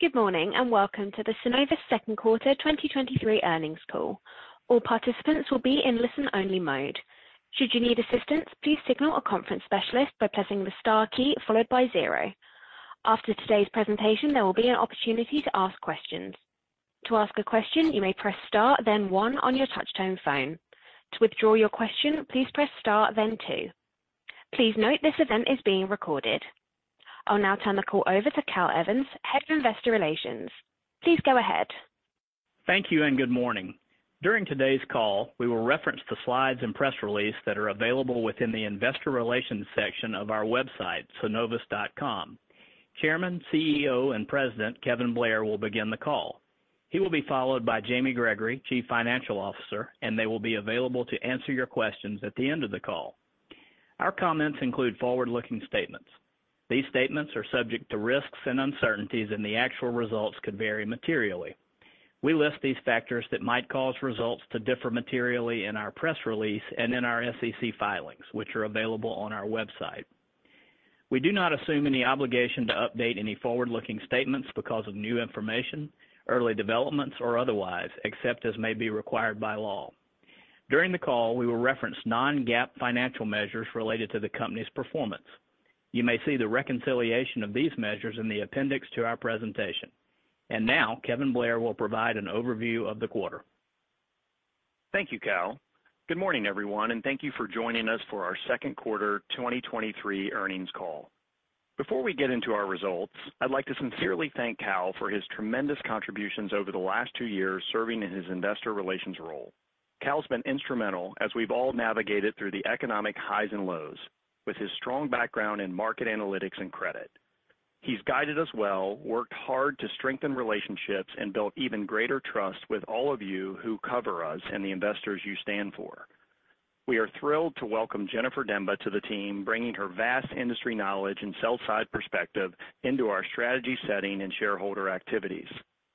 Good morning, welcome to the Synovus second quarter 2023 earnings call. All participants will be in listen-only mode. Should you need assistance, please signal a conference specialist by pressing the star key followed by one. After today's presentation, there will be an opportunity to ask questions. To ask a question, you may press star then one on your touchtone phone. To withdraw your question, please press star then two. Please note this event is being recorded. I'll now turn the call over to Cal Evans, Head of Investor Relations. Please go ahead. Thank you and good morning. During today's call, we will reference the slides and press release that are available within the investor relations section of our website, synovus.com. Chairman, CEO, and President Kevin Blair will begin the call. He will be followed by Jamie Gregory, Chief Financial Officer, and they will be available to answer your questions at the end of the call. Our comments include forward-looking statements. These statements are subject to risks and uncertainties, and the actual results could vary materially. We list these factors that might cause results to differ materially in our press release and in our SEC filings, which are available on our website. We do not assume any obligation to update any forward-looking statements because of new information, early developments, or otherwise, except as may be required by law. During the call, we will reference non-GAAP financial measures related to the company's performance. You may see the reconciliation of these measures in the appendix to our presentation. Now Kevin Blair will provide an overview of the quarter. Thank you, Cal. Good morning, everyone, and thank you for joining us for our second quarter 2023 earnings call. Before we get into our results, I'd like to sincerely thank Cal for his tremendous contributions over the last two years serving in his investor relations role. Cal's been instrumental as we've all navigated through the economic highs and lows with his strong background in market analytics and credit. He's guided us well, worked hard to strengthen relationships, and built even greater trust with all of you who cover us and the investors you stand for. We are thrilled to welcome Jennifer Demba to the team, bringing her vast industry knowledge and sell side perspective into our strategy setting and shareholder activities.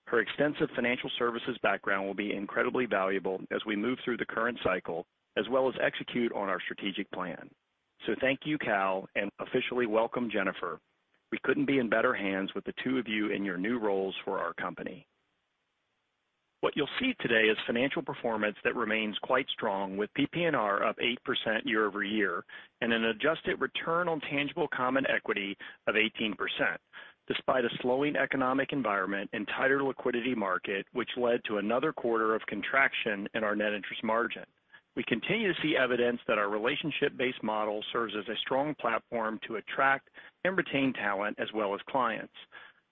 Her extensive financial services background will be incredibly valuable as we move through the current cycle, as well as execute on our strategic plan. Thank you, Cal, and officially welcome, Jennifer. We couldn't be in better hands with the two of you in your new roles for our company. What you'll see today is financial performance that remains quite strong, with PPNR up 8% year-over-year and an adjusted return on tangible common equity of 18%, despite a slowing economic environment and tighter liquidity market, which led to another quarter of contraction in our net interest margin. We continue to see evidence that our relationship-based model serves as a strong platform to attract and retain talent as well as clients.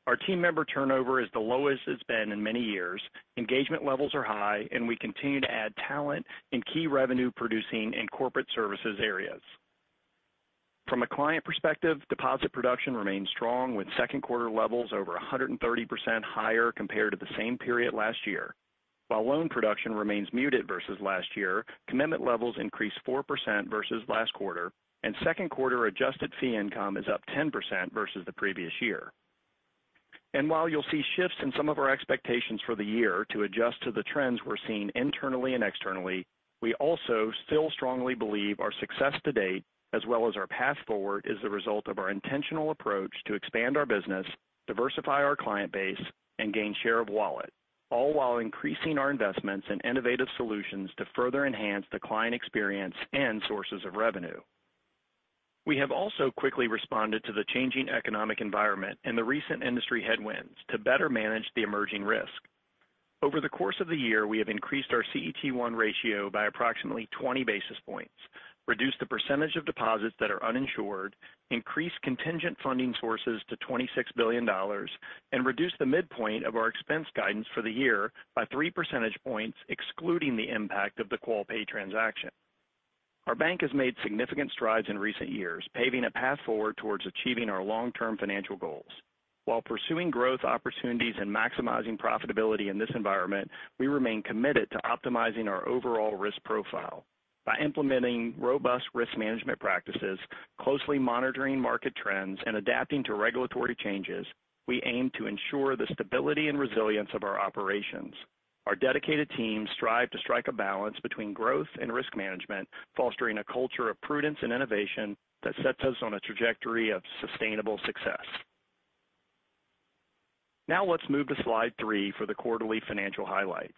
Our team member turnover is the lowest it's been in many years. Engagement levels are high, and we continue to add talent in key revenue-producing and corporate services areas. From a client perspective, deposit production remains strong, with second quarter levels over 130% higher compared to the same period last year. While loan production remains muted versus last year, commitment levels increased 4% versus last quarter, and second quarter adjusted fee income is up 10% versus the previous year. While you'll see shifts in some of our expectations for the year to adjust to the trends we're seeing internally and externally, we also still strongly believe our success to date, as well as our path forward, is the result of our intentional approach to expand our business, diversify our client base, and gain share of wallet, all while increasing our investments in innovative solutions to further enhance the client experience and sources of revenue. We have also quickly responded to the changing economic environment and the recent industry headwinds to better manage the emerging risk. Over the course of the year, we have increased our CET1 ratio by approximately 20 basis points, reduced the percentage of deposits that are uninsured, increased contingent funding sources to $26 billion, and reduced the midpoint of our expense guidance for the year by 3 percentage points, excluding the impact of the Qualpay transaction. Our bank has made significant strides in recent years, paving a path forward towards achieving our long-term financial goals. While pursuing growth opportunities and maximizing profitability in this environment, we remain committed to optimizing our overall risk profile. By implementing robust risk management practices, closely monitoring market trends, and adapting to regulatory changes, we aim to ensure the stability and resilience of our operations. Our dedicated teams strive to strike a balance between growth and risk management, fostering a culture of prudence and innovation that sets us on a trajectory of sustainable success. Let's move to slide three for the quarterly financial highlights.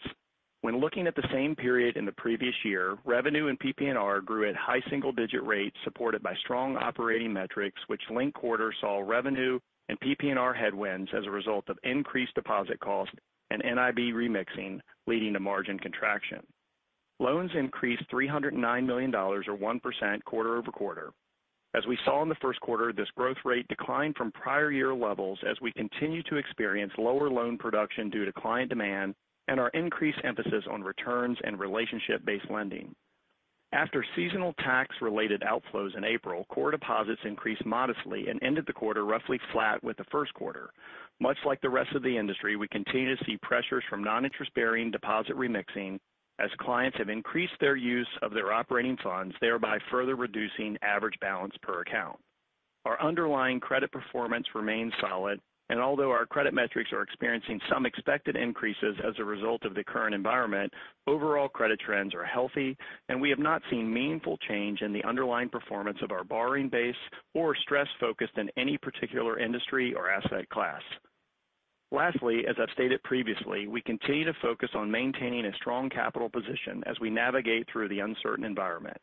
When looking at the same period in the previous year, revenue and PPNR grew at high single-digit rates, supported by strong operating metrics, which linked quarter saw revenue and PPNR headwinds as a result of increased deposit costs and NIB remixing, leading to margin contraction. Loans increased $309 million, or 1% quarter-over-quarter. As we saw in the 1st quarter, this growth rate declined from prior year levels as we continue to experience lower loan production due to client demand and our increased emphasis on returns and relationship-based lending. After seasonal tax-related outflows in April, core deposits increased modestly and ended the quarter roughly flat with the first quarter. Much like the rest of the industry, we continue to see pressures from non-interest-bearing deposit remixing as clients have increased their use of their operating funds, thereby further reducing average balance per account. Our underlying credit performance remains solid, and although our credit metrics are experiencing some expected increases as a result of the current environment, overall credit trends are healthy, and we have not seen meaningful change in the underlying performance of our borrowing base or stress focused in any particular industry or asset class. Lastly, as I've stated previously, we continue to focus on maintaining a strong capital position as we navigate through the uncertain environment.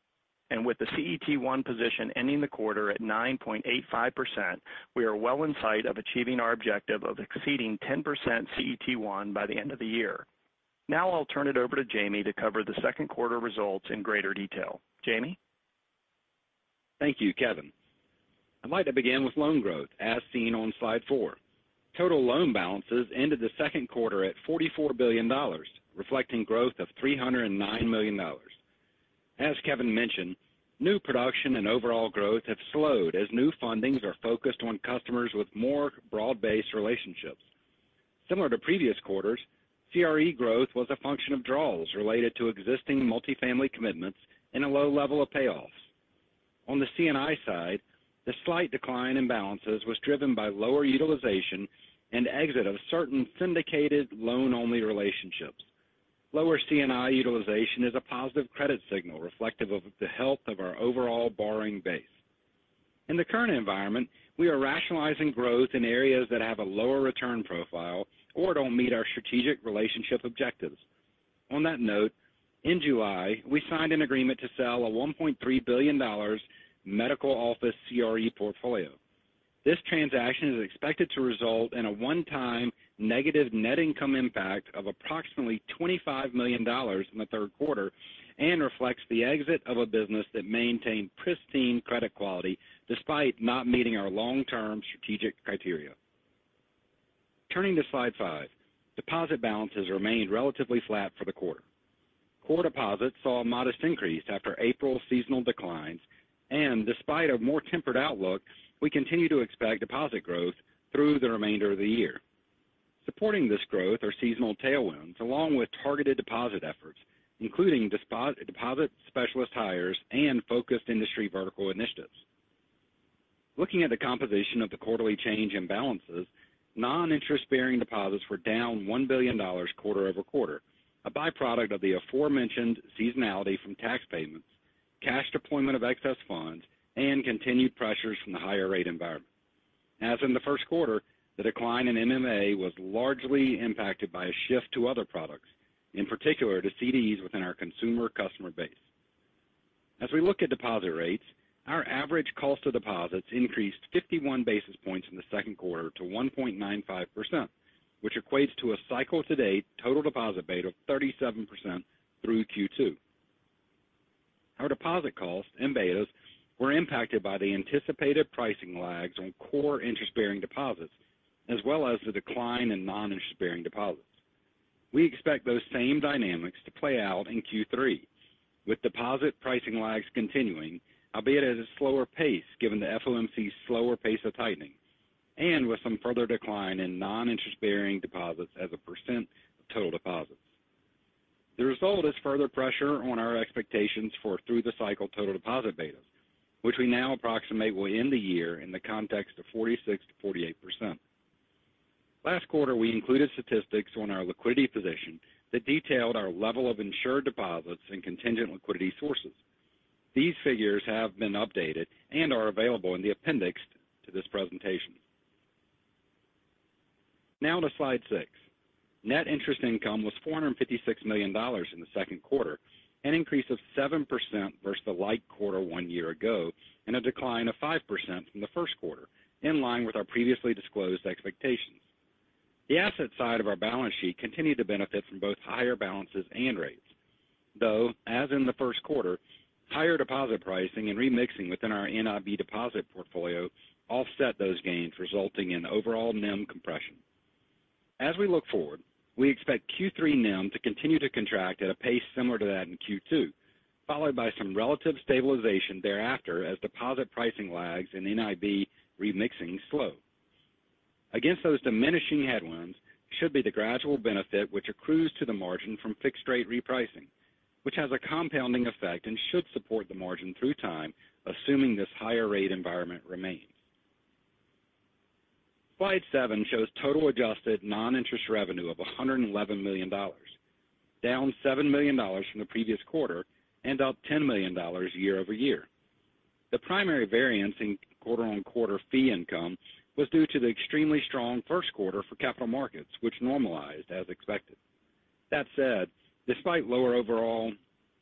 With the CET1 position ending the quarter at 9.85%, we are well in sight of achieving our objective of exceeding 10% CET1 by the end of the year. Now I'll turn it over to Jamie to cover the second quarter results in greater detail. Jamie? Thank you, Kevin. I'd like to begin with loan growth, as seen on slide four. Total loan balances ended the second quarter at $44 billion, reflecting growth of $309 million. As Kevin mentioned, new production and overall growth have slowed as new fundings are focused on customers with more broad-based relationships. Similar to previous quarters, CRE growth was a function of draws related to existing multifamily commitments and a low level of payoffs. On the CNI side, the slight decline in balances was driven by lower utilization and exit of certain syndicated loan-only relationships. Lower CNI utilization is a positive credit signal, reflective of the health of our overall borrowing base. In the current environment, we are rationalizing growth in areas that have a lower return profile or don't meet our strategic relationship objectives. On that note, in July, we signed an agreement to sell a $1.3 billion medical office CRE portfolio. This transaction is expected to result in a one-time negative net income impact of approximately $25 million in the third quarter and reflects the exit of a business that maintained pristine credit quality despite not meeting our long-term strategic criteria. Turning to slide five, deposit balances remained relatively flat for the quarter. Core deposits saw a modest increase after April seasonal declines. Despite a more tempered outlook, we continue to expect deposit growth through the remainder of the year. Supporting this growth are seasonal tailwinds, along with targeted deposit efforts, including deposit specialist hires and focused industry vertical initiatives. Looking at the composition of the quarterly change in balances, non-interest-bearing deposits were down $1 billion quarter-over-quarter, a byproduct of the aforementioned seasonality from tax payments, cash deployment of excess funds, and continued pressures from the higher rate environment. As in the first quarter, the decline in MMA was largely impacted by a shift to other products, in particular, to CDs within our consumer customer base. As we look at deposit rates, our average cost of deposits increased 51 basis points in the second quarter to 1.95%, which equates to a cycle-to-date total deposit beta of 37% through Q2. Our deposit costs and betas were impacted by the anticipated pricing lags on core interest-bearing deposits, as well as the decline in non-interest-bearing deposits. We expect those same dynamics to play out in Q3, with deposit pricing lags continuing, albeit at a slower pace, given the FOMC's slower pace of tightening, and with some further decline in non-interest-bearing deposits as a % of total deposits. The result is further pressure on our expectations for through the cycle total deposit betas, which we now approximate will end the year in the context of 46%-48%. Last quarter, we included statistics on our liquidity position that detailed our level of insured deposits and contingent liquidity sources. These figures have been updated and are available in the appendix to this presentation. Now to slide six. Net interest income was $456 million in the second quarter, an increase of 7% versus the like quarter 1 year ago, and a decline of 5% from the first quarter, in line with our previously disclosed expectations. The asset side of our balance sheet continued to benefit from both higher balances and rates, though, as in the first quarter, higher deposit pricing and remixing within our NIB deposit portfolio offset those gains, resulting in overall NIM compression. As we look forward, we expect Q3 NIM to continue to contract at a pace similar to that in Q2, followed by some relative stabilization thereafter as deposit pricing lags and NIB remixing slow. Against those diminishing headwinds should be the gradual benefit which accrues to the margin from fixed-rate repricing, which has a compounding effect and should support the margin through time, assuming this higher rate environment remains. Slide seven shows total adjusted non-interest revenue of $111 million, down $7 million from the previous quarter and up $10 million year-over-year. The primary variance in quarter-on-quarter fee income was due to the extremely strong first quarter for capital markets, which normalized as expected. Despite lower overall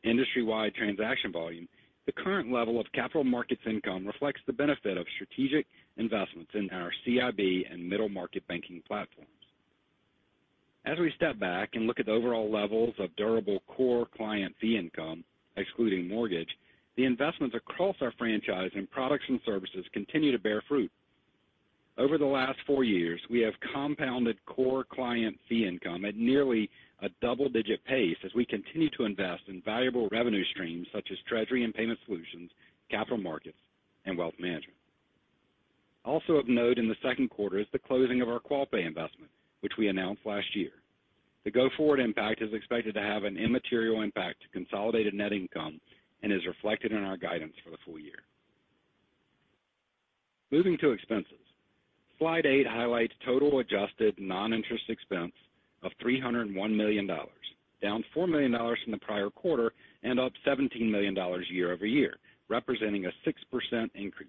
industry-wide transaction volume, the current level of capital markets income reflects the benefit of strategic investments in our CIB and middle-market banking platforms. As we step back and look at the overall levels of durable core client fee income, excluding mortgage, the investments across our franchise in products and services continue to bear fruit. Over the last four years, we have compounded core client fee income at nearly a double-digit pace as we continue to invest in valuable revenue streams such as treasury and payment solutions, capital markets, and wealth management. Also of note in the second quarter is the closing of our Qualpay investment, which we announced last year. The go-forward impact is expected to have an immaterial impact to consolidated net income and is reflected in our guidance for the full year. Moving to expenses. Slide eight highlights total adjusted non-interest expense of $301 million, down $4 million from the prior quarter, and up $17 million year-over-year, representing a 6% increase.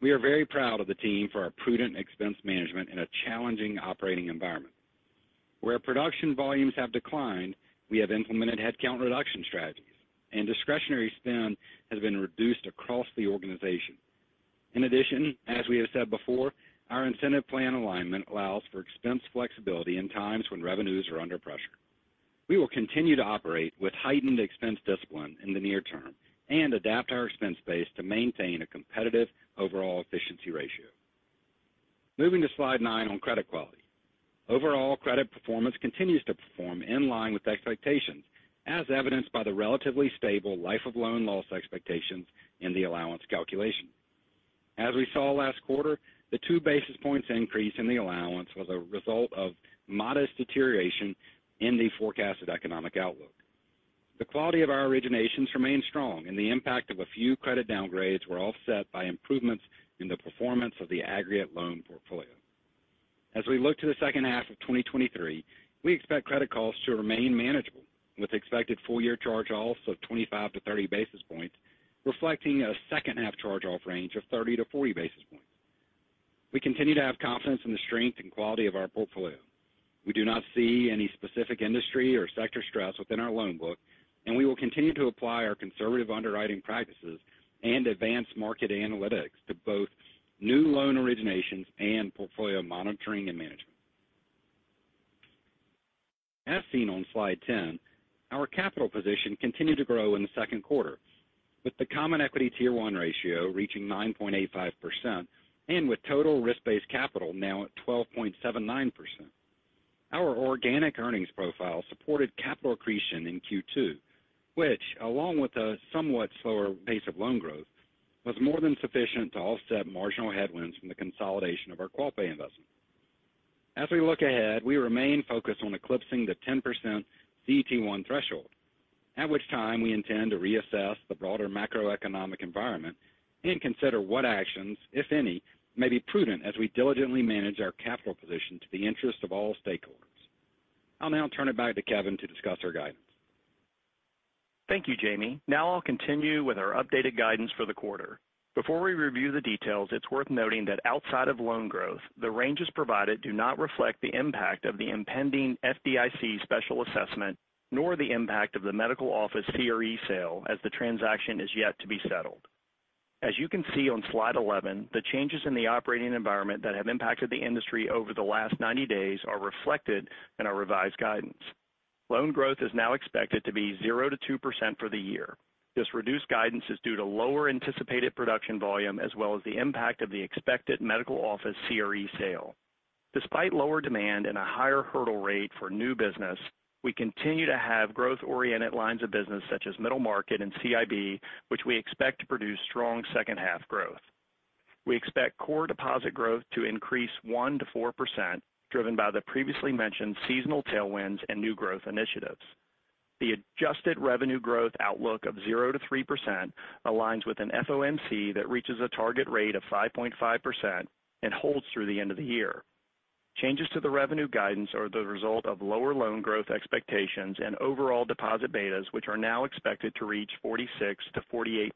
We are very proud of the team for our prudent expense management in a challenging operating environment. Where production volumes have declined, we have implemented headcount reduction strategies, and discretionary spend has been reduced across the organization. In addition, as we have said before, our incentive plan alignment allows for expense flexibility in times when revenues are under pressure. We will continue to operate with heightened expense discipline in the near term and adapt our expense base to maintain a competitive overall efficiency ratio. Moving to slide nine on credit quality. Overall, credit performance continues to perform in line with expectations, as evidenced by the relatively stable life of loan loss expectations in the allowance calculation. As we saw last quarter, the two basis points increase in the allowance was a result of modest deterioration in the forecasted economic outlook. The quality of our originations remained strong, and the impact of a few credit downgrades were offset by improvements in the performance of the aggregate loan portfolio. As we look to the second half of 2023, we expect credit costs to remain manageable, with expected full-year charge-offs of 25-30 basis points, reflecting a second half charge-off range of 30-40 basis points. We continue to have confidence in the strength and quality of our portfolio. We do not see any specific industry or sector stress within our loan book, and we will continue to apply our conservative underwriting practices and advanced market analytics to both new loan originations and portfolio monitoring and management. As seen on slide 10, our capital position continued to grow in the second quarter, with the Common Equity Tier one ratio reaching 9.85% and with total risk-based capital now at 12.79%. Our organic earnings profile supported capital accretion in Q2, which, along with a somewhat slower pace of loan growth, was more than sufficient to offset marginal headwinds from the consolidation of our Qualpay investment. As we look ahead, we remain focused on eclipsing the 10% CET1 threshold, at which time we intend to reassess the broader macroeconomic environment and consider what actions, if any, may be prudent as we diligently manage our capital position to the interest of all stakeholders. I'll now turn it back to Kevin to discuss our guidance. Thank you, Jamie. I'll continue with our updated guidance for the quarter. Before we review the details, it's worth noting that outside of loan growth, the ranges provided do not reflect the impact of the impending FDIC special assessment, nor the impact of the medical office CRE sale, as the transaction is yet to be settled. As you can see on slide 11, the changes in the operating environment that have impacted the industry over the last 90 days are reflected in our revised guidance. Loan growth is now expected to be 0%-2% for the year. This reduced guidance is due to lower anticipated production volume as well as the impact of the expected medical office CRE sale. Despite lower demand and a higher hurdle rate for new business, we continue to have growth-oriented lines of business such as middle market and CIB, which we expect to produce strong second half growth. We expect core deposit growth to increase 1%-4%, driven by the previously mentioned seasonal tailwinds and new growth initiatives. The adjusted revenue growth outlook of 0%-3% aligns with an FOMC that reaches a target rate of 5.5% and holds through the end of the year. Changes to the revenue guidance are the result of lower loan growth expectations and overall deposit betas, which are now expected to reach 46%-48%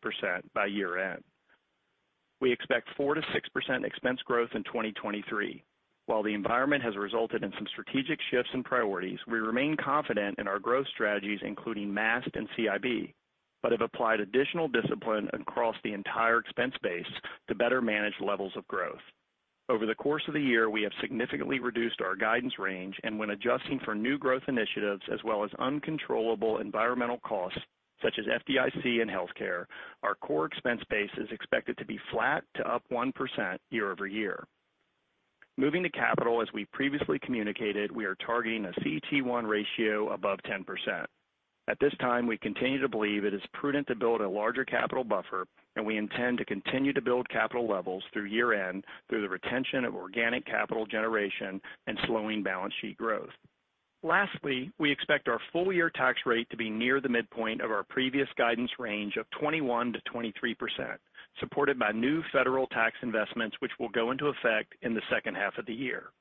by year-end. We expect 4%-6% expense growth in 2023. While the environment has resulted in some strategic shifts in priorities, we remain confident in our growth strategies, including Maast and CIB, but have applied additional discipline across the entire expense base to better manage levels of growth. Over the course of the year, we have significantly reduced our guidance range, and when adjusting for new growth initiatives, as well as uncontrollable environmental costs, such as FDIC and healthcare, our core expense base is expected to be flat to up 1% year-over-year. Moving to capital, as we previously communicated, we are targeting a CET1 ratio above 10%. At this time, we continue to believe it is prudent to build a larger capital buffer, and we intend to continue to build capital levels through year-end through the retention of organic capital generation and slowing balance sheet growth. Lastly, we expect our full year tax rate to be near the midpoint of our previous guidance range of 21%-23%, supported by new federal tax investments, which will go into effect in the second half of the year.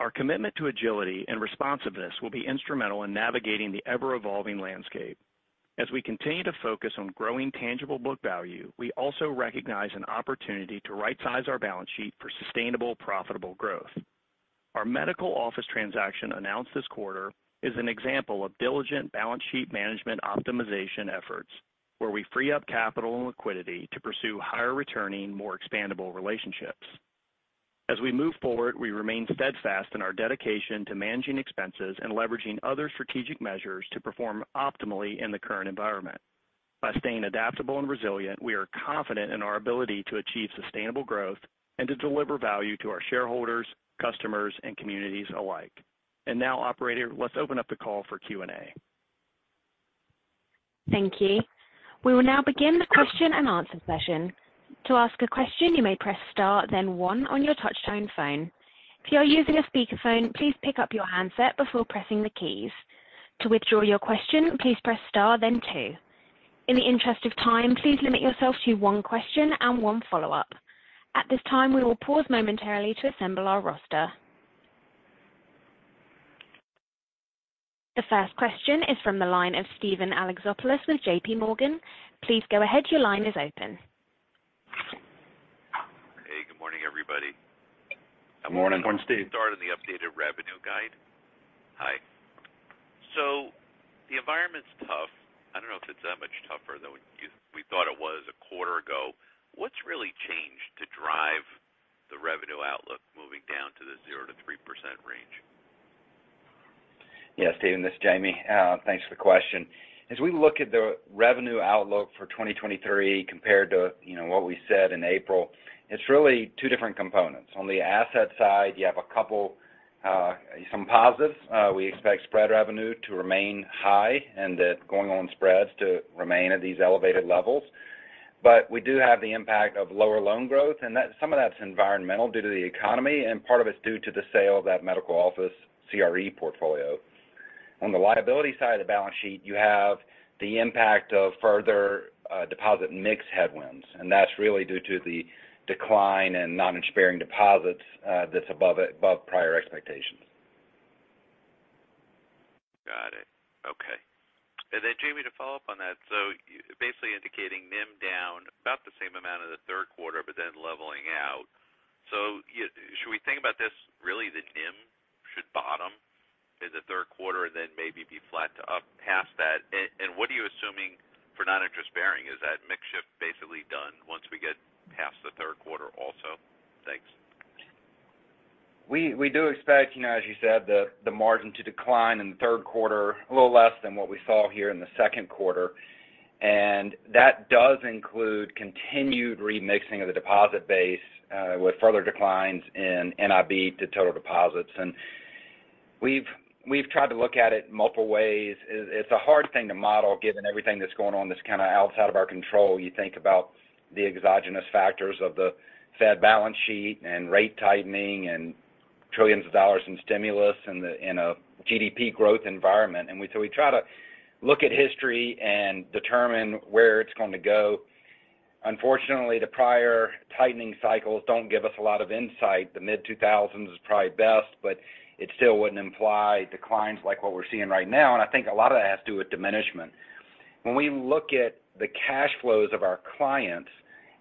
Our commitment to agility and responsiveness will be instrumental in navigating the ever-evolving landscape. As we continue to focus on growing tangible book value, we also recognize an opportunity to rightsize our balance sheet for sustainable, profitable growth. Our medical office transaction announced this quarter is an example of diligent balance sheet management optimization efforts, where we free up capital and liquidity to pursue higher returning, more expandable relationships. As we move forward, we remain steadfast in our dedication to managing expenses and leveraging other strategic measures to perform optimally in the current environment. By staying adaptable and resilient, we are confident in our ability to achieve sustainable growth and to deliver value to our shareholders, customers, and communities alike. Now, operator, let's open up the call for Q&A. Thank you. We will now begin the question and answer session. To ask a question, you may press star, then one on your touchtone phone. If you are using a speakerphone, please pick up your handset before pressing the keys. To withdraw your question, please press star, then two. In the interest of time, please limit yourself to one question and one follow-up. At this time, we will pause momentarily to assemble our roster. The first question is from the line of Steven Alexopoulos with J.P. Morgan. Please go ahead. Your line is open. Hey, good morning, everybody. Good morning, Steve. Start on the updated revenue guide. Hi. The environment's tough. I don't know if it's that much tougher than we thought it was a quarter ago. What's really changed to drive the revenue outlook moving down to the 0%-3% range? Yeah, Steven, this is Jamie. Thanks for the question. As we look at the revenue outlook for 2023 compared to, you know, what we said in April, it's really two different components. On the asset side, you have a couple, some positives. We expect spread revenue to remain high and that going on spreads to remain at these elevated levels. We do have the impact of lower loan growth, and some of that's environmental due to the economy, and part of it's due to the sale of that medical office, CRE portfolio. On the liability side of the balance sheet, you have the impact of further, deposit mix headwinds, and that's really due to the decline in non-interest-bearing deposits, that's above prior expectations. Got it. Okay. Jamie, to follow up on that, basically indicating NIM down about the same amount in the third quarter, but then leveling out. Should we think about this, really, the NIM should bottom in the third quarter and then maybe be flat to up past that? What are you assuming for non-interest-bearing? Is that mix shift basically done once we get past the third quarter also? Thanks. We do expect, you know, as you said, the margin to decline in the third quarter, a little less than what we saw here in the second quarter. That does include continued remixing of the deposit base with further declines in NIB to total deposits. We've tried to look at it multiple ways. It's a hard thing to model, given everything that's going on that's kind of outside of our control. You think about the exogenous factors of the Fed balance sheet and rate tightening and trillions of dollars in stimulus in a GDP growth environment. We try to look at history and determine where it's going to go. Unfortunately, the prior tightening cycles don't give us a lot of insight. The mid-2000s is probably best, but it still wouldn't imply declines like what we're seeing right now. I think a lot of that has to do with diminishment. When we look at the cash flows of our clients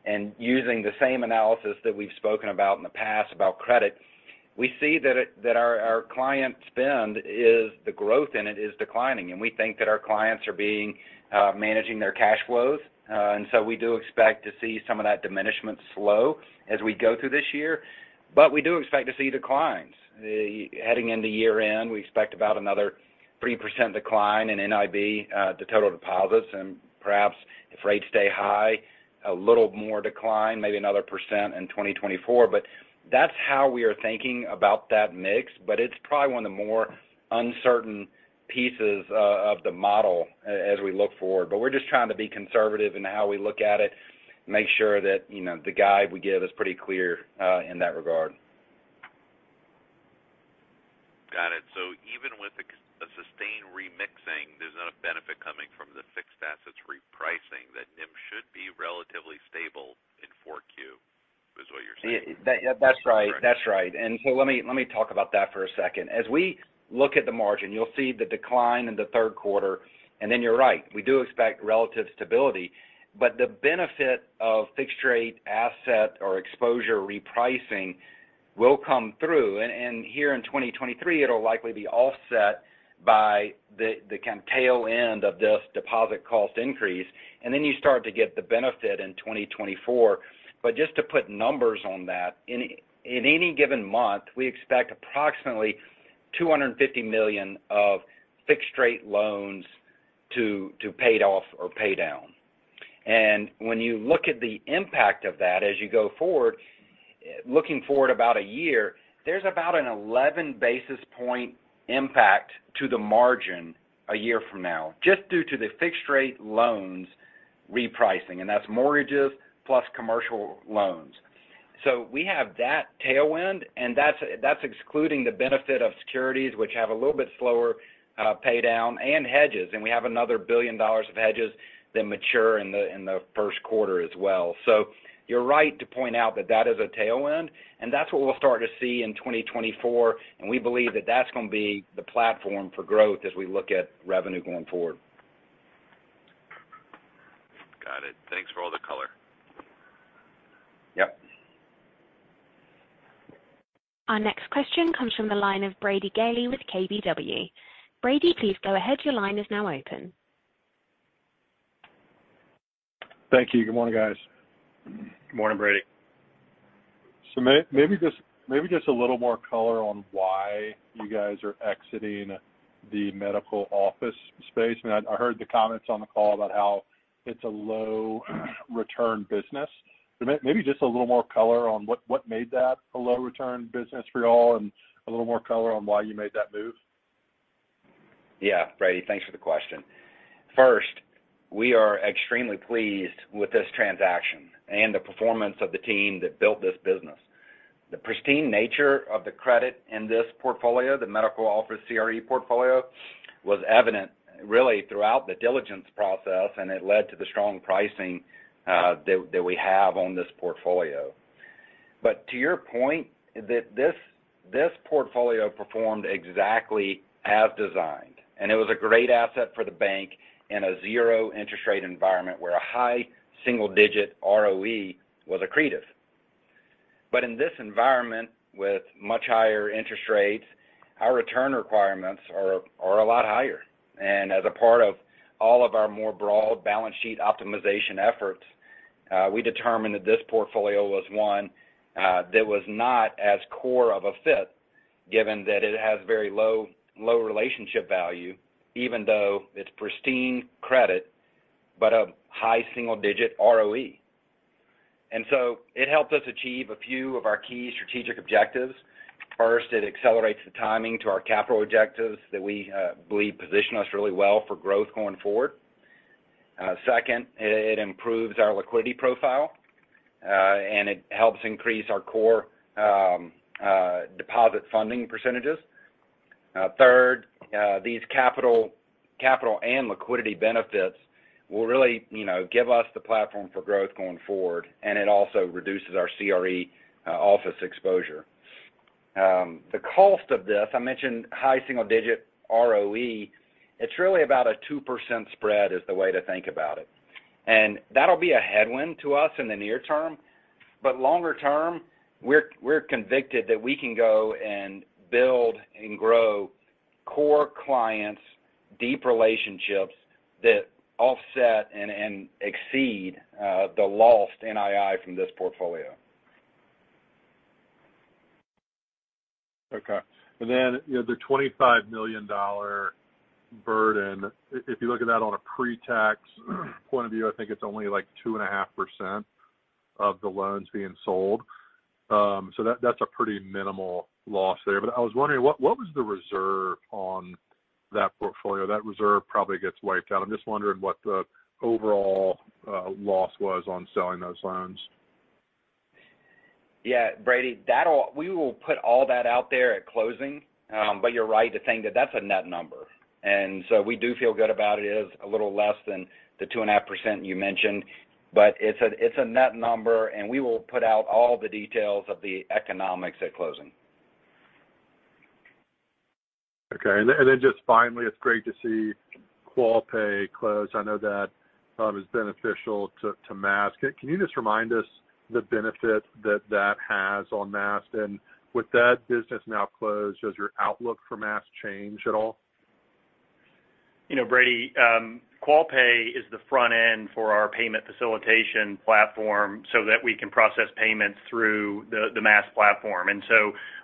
and using the same analysis that we've spoken about in the past about credit, we see that our client spend is, the growth in it, is declining. We think that our clients are being managing their cash flows. We do expect to see some of that diminishment slow as we go through this year. We do expect to see declines. Heading into year-end, we expect about another 3% decline in NIB to total deposits. Perhaps if rates stay high, a little more decline, maybe another 1% in 2024. That's how we are thinking about that mix, but it's probably one of the more uncertain pieces, of the model as we look forward. We're just trying to be conservative in how we look at it and make sure that, you know, the guide we give is pretty clear, in that regard. Got it. Even with a sustained remixing, there's not a benefit coming from the fixed assets repricing, that NIM should be relatively stable in four Q, is what you're saying? Yeah, that's right. That's right. Let me talk about that for a second. As we look at the margin, you'll see the decline in the third quarter, you're right, we do expect relative stability. The benefit of fixed rate asset or exposure repricing will come through. Here in 2023, it'll likely be offset by the kind of tail end of this deposit cost increase, you start to get the benefit in 2024. Just to put numbers on that, in any given month, we expect approximately $250 million of fixed rate loans to paid off or pay down. When you look at the impact of that as you go forward, looking forward about a year, there's about an 11 basis point impact to the margin a year from now, just due to the fixed rate loans repricing, and that's mortgages plus commercial loans. We have that tailwind, and that's excluding the benefit of securities, which have a little bit slower pay down and hedges. We have another $1 billion of hedges that mature in the first quarter as well. You're right to point out that that is a tailwind, and that's what we'll start to see in 2024, and we believe that that's going to be the platform for growth as we look at revenue going forward. Got it. Thanks for all the color. Yep. Our next question comes from the line of Brady Gailey with KBW. Brady, please go ahead. Your line is now open. Thank you. Good morning, guys. Good morning, Brady. maybe just a little more color on why you guys are exiting the medical office space. I mean, I heard the comments on the call about how it's a low return business. maybe just a little more color on what made that a low return business for you all, and a little more color on why you made that move. Yeah, Brady, thanks for the question. First, we are extremely pleased with this transaction and the performance of the team that built this business. The pristine nature of the credit in this portfolio, the medical office CRE portfolio, was evident really throughout the diligence process, and it led to the strong pricing that we have on this portfolio. To your point, that this portfolio performed exactly as designed, and it was a great asset for the bank in a 0 interest rate environment where a high single-digit ROE was accretive. In this environment, with much higher interest rates, our return requirements are a lot higher. As a part of all of our more broad balance sheet optimization efforts, we determined that this portfolio was one that was not as core of a fit, given that it has very low, low relationship value, even though it's pristine credit, but a high single digit ROE. It helped us achieve a few of our key strategic objectives. First, it accelerates the timing to our capital objectives that we believe position us really well for growth going forward. Second, it improves our liquidity profile, and it helps increase our core deposit funding percentages. Third, these capital and liquidity benefits will really, you know, give us the platform for growth going forward, and it also reduces our CRE office exposure. The cost of this, I mentioned high single digit ROE, it's really about a 2% spread is the way to think about it. That'll be a headwind to us in the near term, longer term, we're convicted that we can go and build and grow core clients, deep relationships that offset and exceed the lost NII from this portfolio. Okay. You know, the $25 million burden, if you look at that on a pre-tax point of view, I think it's only like 2.5% of the loans being sold. That's a pretty minimal loss there. I was wondering, what was the reserve on that portfolio? That reserve probably gets wiped out. I'm just wondering what the overall loss was on selling those loans. Yeah, Brady, we will put all that out there at closing. You're right to think that that's a net number. We do feel good about it is a little less than the 2.5% you mentioned. It's a net number. We will put out all the details of the economics at closing. Okay. Just finally, it's great to see QualPay close. I know that is beneficial to Maast. Can you just remind us the benefit that that has on Maast? With that business now closed, does your outlook for Maast change at all? You know, Brady, Qualpay is the front end for our payment facilitation platform, so that we can process payments through the Maast platform.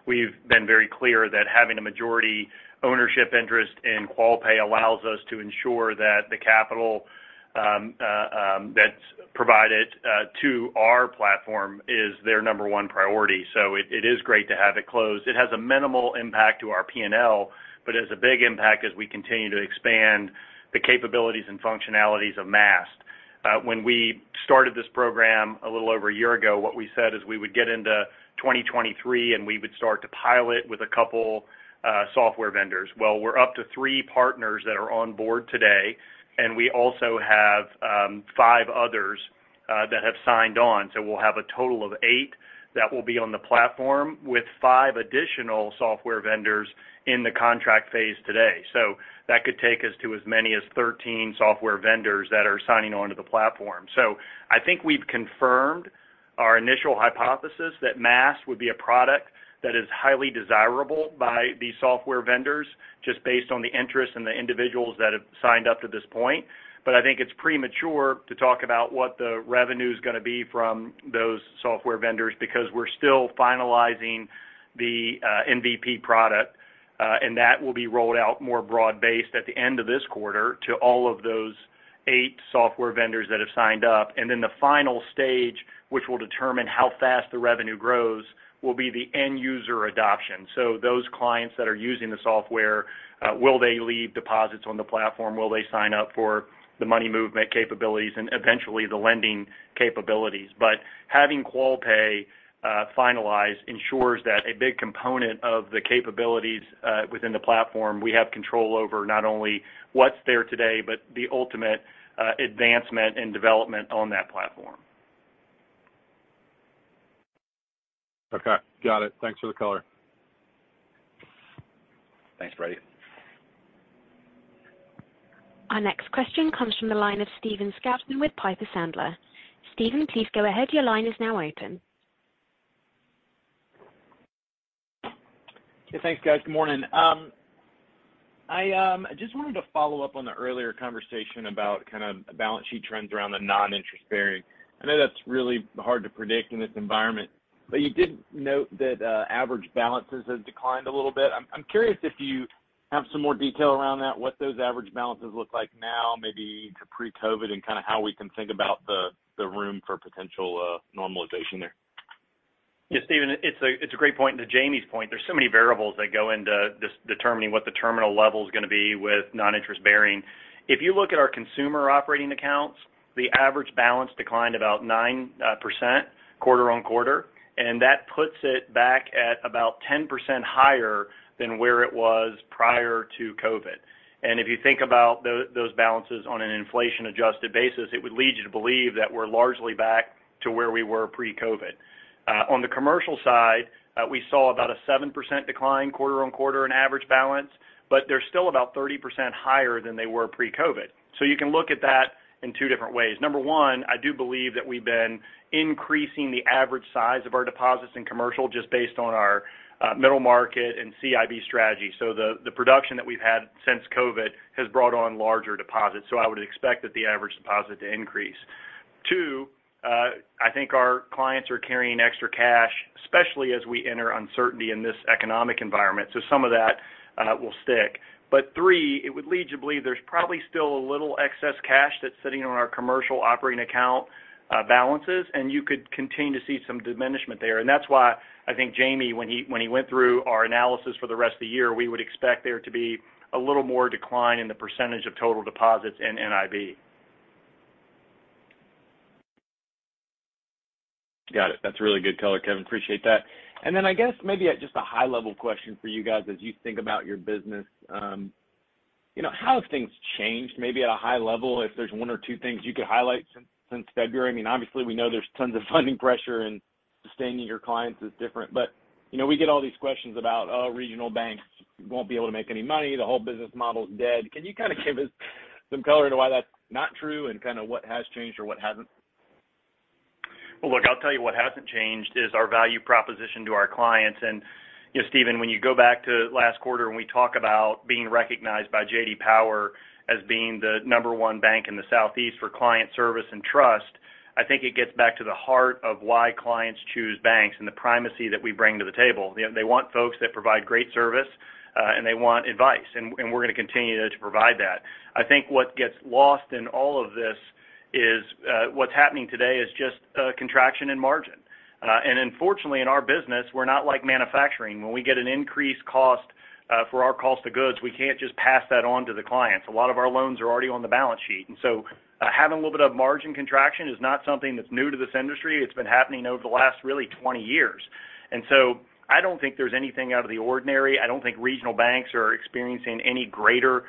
We've been very clear that having a majority ownership interest in Qualpay allows us to ensure that the capital that's provided to our platform is their number one priority. It is great to have it closed. It has a minimal impact to our P&L, but it has a big impact as we continue to expand the capabilities and functionalities of Maast. When we started this program a little over a year ago, what we said is we would get into 2023, and we would start to pilot with a couple software vendors. We're up to three partners that are on board today. We also have five others that have signed on. We'll have a total of eight that will be on the platform, with five additional software vendors in the contract phase today. That could take us to as many as 13 software vendors that are signing on to the platform. I think we've confirmed our initial hypothesis that Maast would be a product that is highly desirable by the software vendors, just based on the interest and the individuals that have signed up to this point. I think it's premature to talk about what the revenue is going to be from those software vendors, because we're still finalizing the MVP product, and that will be rolled out more broad-based at the end of this quarter to all of those eight software vendors that have signed up. The final stage, which will determine how fast the revenue grows, will be the end user adoption. Those clients that are using the software, will they leave deposits on the platform? Will they sign up for the money movement capabilities and eventually the lending capabilities? Having Qualpay finalized ensures that a big component of the capabilities within the platform, we have control over not only what's there today, but the ultimate advancement and development on that platform. Okay. Got it. Thanks for the color. Thanks, Brady. Our next question comes from the line of Stephen Scouten with Piper Sandler. Steven, please go ahead. Your line is now open. Hey, thanks, guys. Good morning. I just wanted to follow up on the earlier conversation about kind of the balance sheet trends around the non-interest bearing. I know that's really hard to predict in this environment, but you did note that average balances have declined a little bit. I'm curious if you have some more detail around that, what those average balances look like now, maybe to pre-COVID, and kind of how we can think about the room for potential normalization there. Steven, it's a great point, to Jamie's point, there's so many variables that go into this determining what the terminal level is going to be with non-interest bearing. If you look at our consumer operating accounts, the average balance declined about 9% quarter-on-quarter, and that puts it back at about 10% higher than where it was prior to COVID. If you think about those balances on an inflation-adjusted basis, it would lead you to believe that we're largely back to where we were pre-COVID. On the commercial side, we saw about a 7% decline quarter-on-quarter in average balance, but they're still about 30% higher than they were pre-COVID. You can look at that in two different ways. one, I do believe that we've been increasing the average size of our deposits in commercial, just based on our middle market and CIB strategy. The production that we've had since COVID has brought on larger deposits, so I would expect that the average deposit to increase. two, I think our clients are carrying extra cash, especially as we enter uncertainty in this economic environment, so some of that will stick. three, it would lead you to believe there's probably still a little excess cash that's sitting on our commercial operating account balances, and you could continue to see some diminishment there. That's why I think Jamie, when he went through our analysis for the rest of the year, we would expect there to be a little more decline in the percentage of total deposits in NIB. Got it. That's a really good color, Kevin. Appreciate that. I guess, maybe at just a high level question for you guys as you think about your business, you know, how have things changed, maybe at a high level, if there's one or two things you could highlight since February? Obviously, we know there's tons of funding pressure, and sustaining your clients is different. You know, we get all these questions about, oh, regional banks won't be able to make any money, the whole business model is dead. Can you kind of give us some color into why that's not true and kind of what has changed or what hasn't? Well, look, I'll tell you what hasn't changed is our value proposition to our clients. You know, Steven, when you go back to last quarter, and we talk about being recognized by J.D. Power as being the number one bank in the Southeast for client service and trust, I think it gets back to the heart of why clients choose banks and the primacy that we bring to the table. You know, they want folks that provide great service, and they want advice, and we're going to continue to provide that. I think what gets lost in all of this is what's happening today is just contraction in margin. Unfortunately, in our business, we're not like manufacturing. When we get an increased cost for our cost of goods, we can't just pass that on to the clients. A lot of our loans are already on the balance sheet. Having a little bit of margin contraction is not something that's new to this industry, it's been happening over the last really 20 years. I don't think there's anything out of the ordinary. I don't think regional banks are experiencing any greater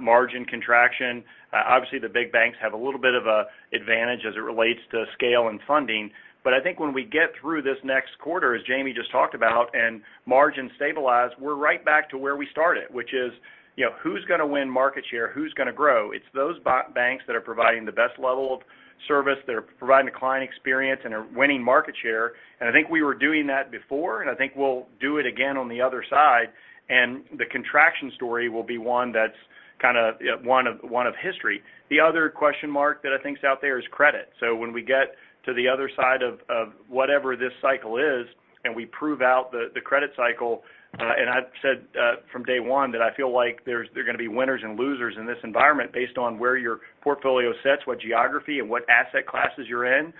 margin contraction. Obviously, the big banks have a little bit of a advantage as it relates to scale and funding. I think when we get through this next quarter, as Jamie just talked about, and margin stabilize, we're right back to where we started, which is, you know, who's going to win market share? Who's going to grow? It's those banks that are providing the best level of service, that are providing a client experience and are winning market share. I think we were doing that before, and I think we'll do it again on the other side, and the contraction story will be one that's kind of, one of history. The other question mark that I think is out there is credit. When we get to the other side of whatever this cycle is, and we prove out the credit cycle, and I've said, from day one, that I feel like there are going to be winners and losers in this environment based on where your portfolio sits, what geography and what asset classes you're in.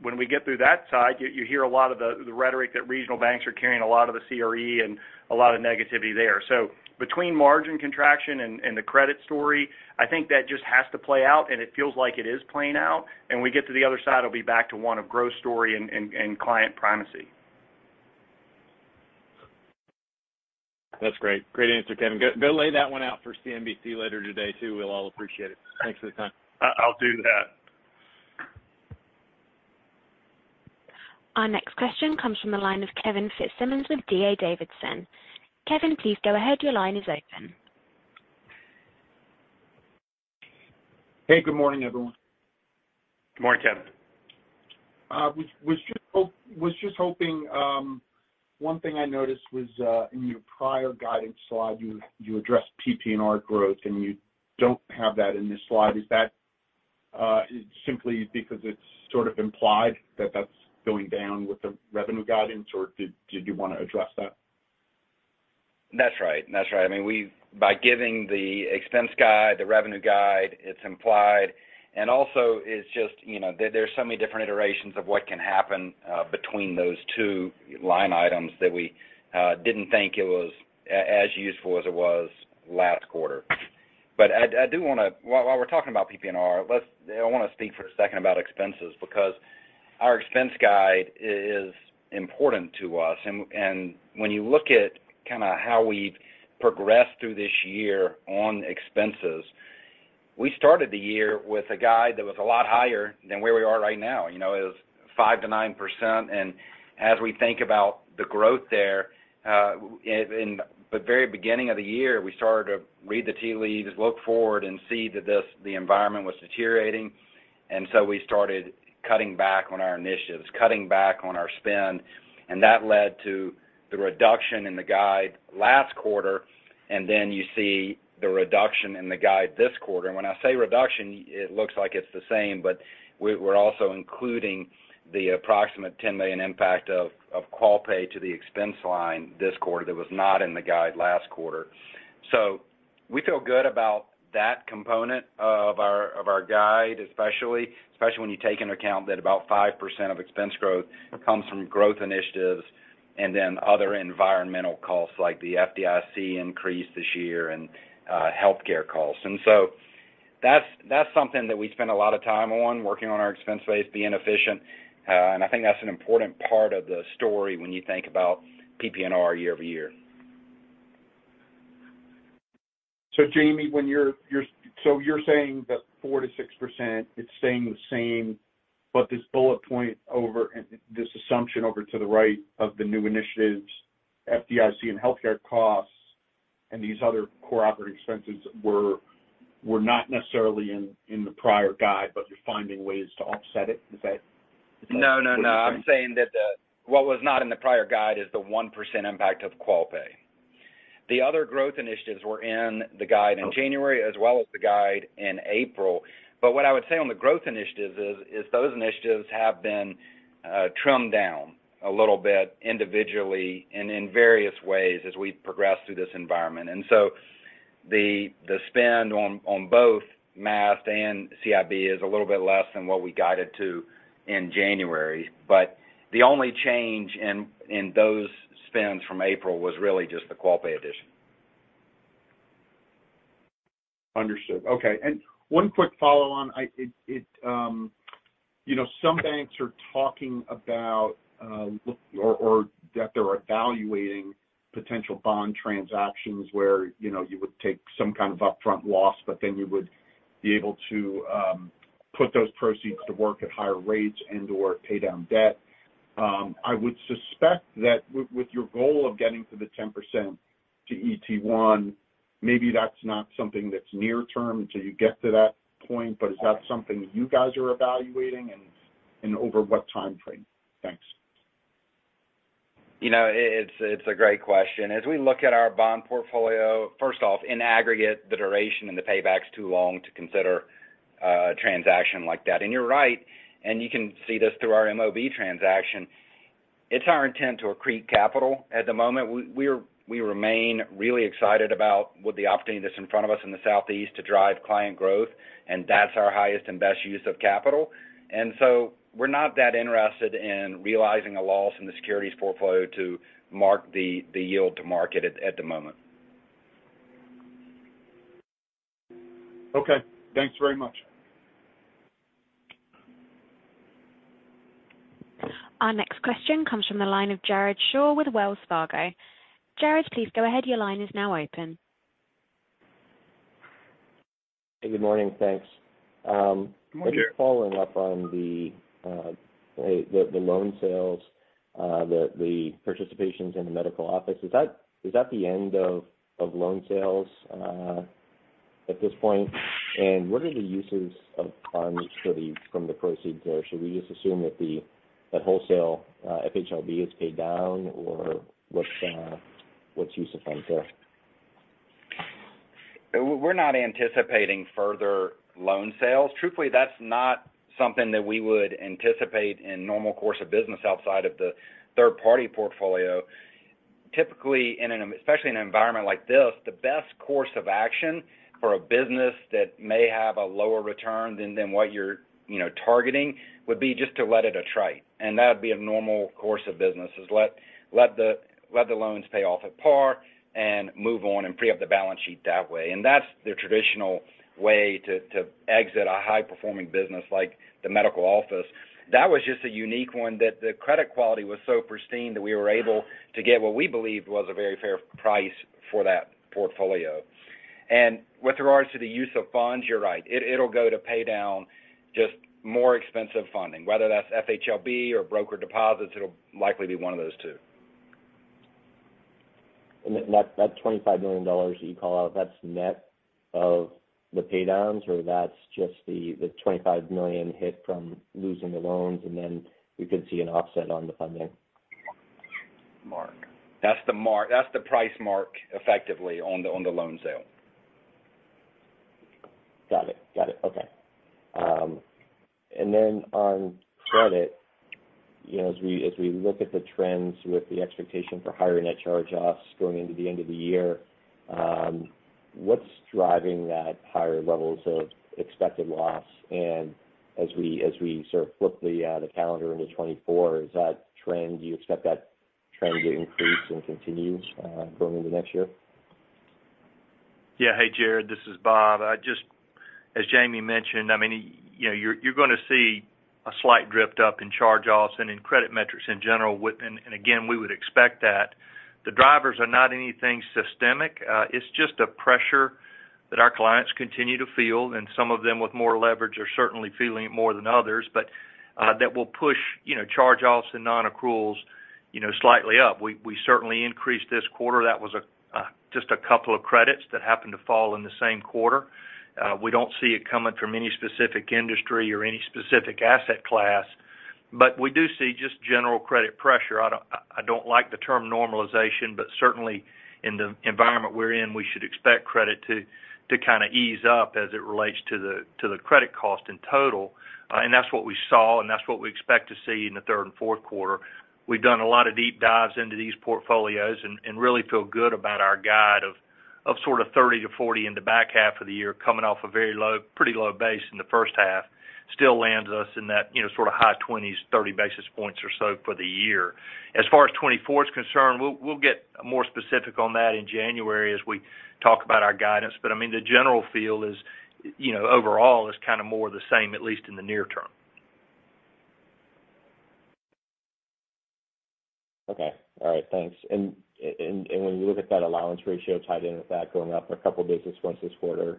When we get through that side, you hear a lot of the rhetoric that regional banks are carrying a lot of the CRE and a lot of negativity there. Between margin contraction and the credit story, I think that just has to play out, and it feels like it is playing out. We get to the other side, it'll be back to one of growth story and client primacy. That's great. Great answer, Kevin. Go, go lay that one out for CNBC later today, too. We'll all appreciate it. Thanks for the time. I'll do that. Our next question comes from the line of Kevin Fitzsimmons with D.A. Davidson. Kevin, please go ahead. Your line is open. Hey, good morning, everyone. Good morning, Kevin. was just hoping. One thing I noticed was in your prior guidance slide, you addressed PPNR growth, and you don't have that in this slide. Is that simply because it's sort of implied that that's going down with the revenue guidance, or did you want to address that? That's right. That's right. I mean, by giving the expense guide, the revenue guide, it's implied. Also, it's just, you know, there are so many different iterations of what can happen between those two line items that we didn't think it was as useful as it was last quarter. I do want to. While we're talking about PPNR, let's. I want to speak for a second about expenses, because our expense guide is important to us. When you look at kind of how we've progressed through this year on expenses, we started the year with a guide that was a lot higher than where we are right now. You know, it was 5%-9%. As we think about the growth there, in the very beginning of the year, we started to read the tea leaves, look forward and see that the environment was deteriorating. We started cutting back on our initiatives, cutting back on our spend. That led to the reduction in the guide last quarter. Then you see the reduction in the guide this quarter. When I say reduction, it looks like it's the same, but we're also including the approximate $10 million impact of Qualpay to the expense line this quarter that was not in the guide last quarter. We feel good about that component of our guide, especially when you take into account that about 5% of expense growth comes from growth initiatives and then other environmental costs, like the FDIC increase this year and healthcare costs. That's something that we spend a lot of time on, working on our expense base, being efficient. I think that's an important part of the story when you think about PPNR year-over-year. Jamie, when you're saying that 4%-6%, it's staying the same, but this bullet point over, and this assumption over to the right of the new initiatives, FDIC and healthcare costs, and these other core operating expenses were not necessarily in the prior guide, but you're finding ways to offset it. Is that? No, no. I'm saying that what was not in the prior guide is the 1% impact of Qualpay. The other growth initiatives were in the guide in January, as well as the guide in April. What I would say on the growth initiatives is those initiatives have been trimmed down a little bit individually and in various ways as we progress through this environment. The spend on both Maast and CIB is a little bit less than what we guided to in January. The only change in those spends from April was really just the Qualpay addition. Understood. Okay, One quick follow on. You know, some banks are talking about that they're evaluating potential bond transactions where, you know, you would take some kind of upfront loss, but then you would be able to put those proceeds to work at higher rates and/or pay down debt. I would suspect that with your goal of getting to the 10% CET1, maybe that's not something that's near term until you get to that point, but is that something you guys are evaluating, and over what time frame? Thanks. You know, it's a great question. As we look at our bond portfolio, first off, in aggregate, the duration and the payback's too long to consider a transaction like that. You're right, and you can see this through our MOB transaction. It's our intent to accrete capital. At the moment, we remain really excited about with the opportunity that's in front of us in the Southeast to drive client growth, and that's our highest and best use of capital. We're not that interested in realizing a loss in the securities portfolio to mark the yield to market at the moment. Okay. Thanks very much. Our next question comes from the line of Jared Shaw with Wells Fargo. Jared, please go ahead. Your line is now open. Good morning, thanks. Good morning, Jared. Just following up on the loan sales, the participations in the medical office. Is that the end of loan sales at this point? What are the uses of funds from the proceeds there? Should we just assume that the wholesale FHLB is paid down, or what's use of funds there? We're not anticipating further loan sales. Truthfully, that's not something that we would anticipate in normal course of business outside of the third-party portfolio. Typically, especially in an environment like this, the best course of action for a business that may have a lower return than what you're, you know, targeting, would be just to let it attrite. That would be a normal course of business, is let the loans pay off at par and move on and free up the balance sheet that way. That's the traditional way to exit a high-performing business like the medical office. That was just a unique one, that the credit quality was so pristine, that we were able to get what we believed was a very fair price for that portfolio. With regards to the use of funds, you're right, it'll go to pay down just more expensive funding, whether that's FHLB or broker deposits, it'll likely be one of those two. That $25 million that you call out, that's net of the pay downs, or that's just the $25 million hit from losing the loans, and then we could see an offset on the funding mark? That's the price mark, effectively on the loan sale. Got it. Got it, okay. Then on credit, you know, as we look at the trends with the expectation for higher net charge-offs going into the end of the year, what's driving that higher levels of expected loss? As we sort of flip the calendar into 2024, is that trend, do you expect that trend to increase and continue going into next year? Yeah. Hey, Jared, this is Bob. I just, as Jamie mentioned, I mean, you know, you're gonna see a slight drift up in charge-offs and in credit metrics in general, and again, we would expect that. The drivers are not anything systemic, it's just a pressure that our clients continue to feel, and some of them with more leverage are certainly feeling it more than others. That will push, you know, charge-offs and non-accruals, you know, slightly up. We certainly increased this quarter. That was a just a couple of credits that happened to fall in the same quarter. We don't see it coming from any specific industry or any specific asset class, but we do see just general credit pressure. I don't like the term normalization, but certainly in the environment we're in, we should expect credit to kind of ease up as it relates to the credit cost in total. That's what we saw, and that's what we expect to see in the third and fourth quarter. We've done a lot of deep dives into these portfolios and really feel good about our guide of sort of 30-40 basis points in the back half of the year, coming off a very low, pretty low base in the first half, still lands us in that, you know, sort of high 20s, 30 basis points or so for the year. As far as 2024 is concerned, we'll get more specific on that in January as we talk about our guidance. I mean, the general feel is, you know, overall is kind of more the same, at least in the near term. Okay. All right, thanks. When you look at that allowance ratio tied in with that going up a couple basis points this quarter,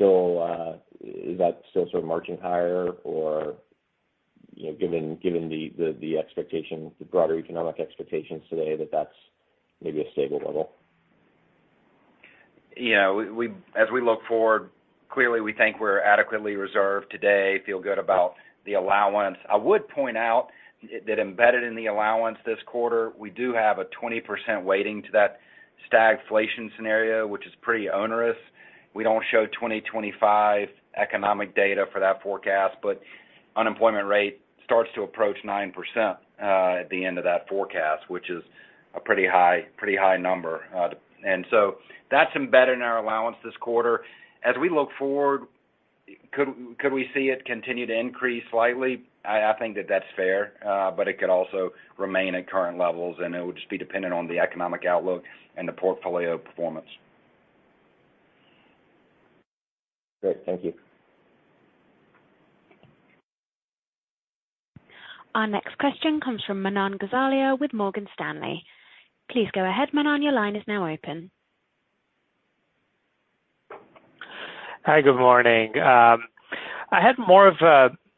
is that still sort of marching higher? You know, given the expectation, the broader economic expectations today, that's maybe a stable level? You know, we as we look forward, clearly, we think we're adequately reserved today, feel good about the allowance. I would point out that embedded in the allowance this quarter, we do have a 20% weighting to that stagflation scenario, which is pretty onerous. We don't show 2025 economic data for that forecast, but unemployment rate starts to approach 9%, at the end of that forecast, which is a pretty high, pretty high number. That's embedded in our allowance this quarter. As we look forward, could we see it continue to increase slightly? I think that that's fair, but it could also remain at current levels, and it would just be dependent on the economic outlook and the portfolio performance. Great. Thank you. Our next question comes from Manan Gosalia with Morgan Stanley. Please go ahead, Manan, your line is now open. Hi, good morning. I had more of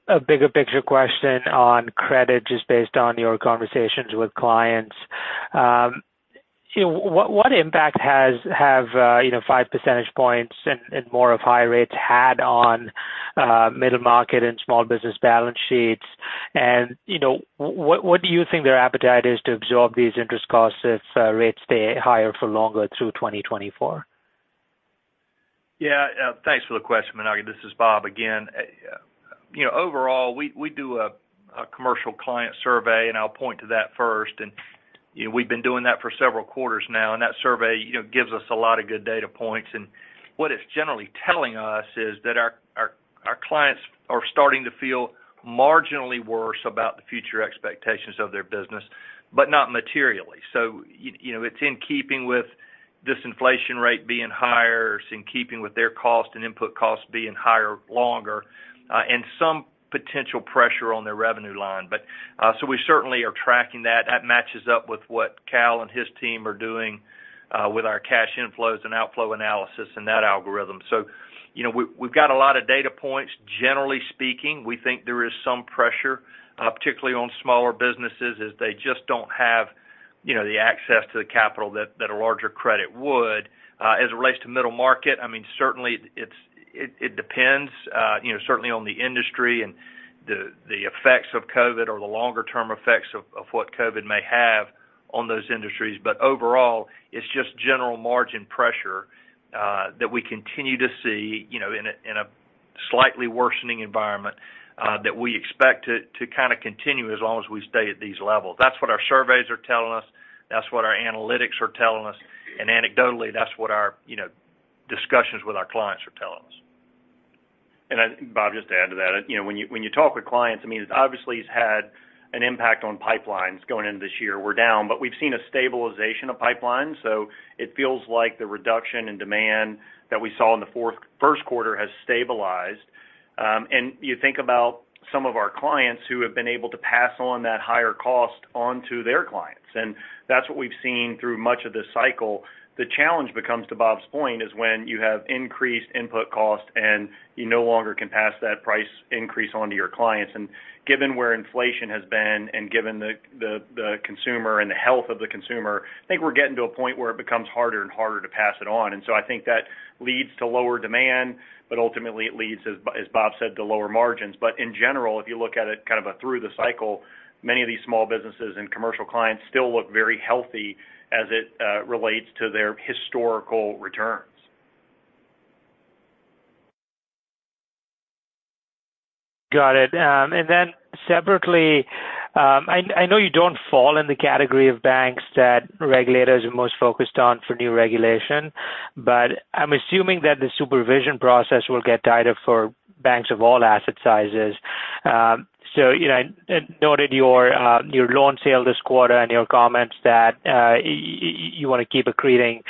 a bigger picture question on credit, just based on your conversations with clients. You know, what impact have, you know, five percentage points and more of high rates had on middle market and small business balance sheets? You know, what do you think their appetite is to absorb these interest costs if rates stay higher for longer through 2024? Yeah, thanks for the question, Manan. This is Bob again. You know, overall, we do a commercial client survey, and I'll point to that first. You know, we've been doing that for several quarters now, and that survey, you know, gives us a lot of good data points. What it's generally telling us, is that our clients are starting to feel marginally worse about the future expectations of their business, but not materially. You know, it's in keeping with this inflation rate being higher, it's in keeping with their cost and input costs being higher, longer, and some potential pressure on their revenue line. We certainly are tracking that. That matches up with what Cal and his team are doing, with our cash inflows and outflow analysis and that algorithm. We've got a lot of data points. Generally speaking, we think there is some pressure, particularly on smaller businesses, as they just don't have, you know, the access to the capital that a larger credit would. As it relates to middle market, I mean, certainly it depends, you know, certainly on the industry and the effects of COVID or the longer term effects of what COVID may have on those industries. Overall, it's just general margin pressure that we continue to see, you know, in a slightly worsening environment that we expect it to kind of continue as long as we stay at these levels. That's what our surveys are telling us, that's what our analytics are telling us, and anecdotally, that's what our, you know, discussions with our clients are telling us. Bob, just to add to that, you know, when you talk with clients, I mean, it obviously has had an impact on pipelines going into this year. We're down, but we've seen a stabilization of pipelines, so it feels like the reduction in demand that we saw in the first quarter has stabilized. You think about some of our clients who have been able to pass on that higher cost onto their clients, and that's what we've seen through much of this cycle. The challenge becomes, to Bob's point, is when you have increased input costs and you no longer can pass that price increase on to your clients. Given where inflation has been and given the consumer and the health of the consumer, I think we're getting to a point where it becomes harder and harder to pass it on. I think that leads to lower demand, but ultimately it leads, as Bob said, to lower margins. In general, if you look at it kind of a through the cycle, many of these small businesses and commercial clients still look very healthy as it relates to their historical returns. Got it. Separately, I know you don't fall in the category of banks that regulators are most focused on for new regulation, but I'm assuming that the supervision process will get tighter for banks of all asset sizes. You know, I noted your loan sale this quarter and your comments that you wanna keep accreting